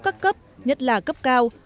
các cấp nhất là cấp cao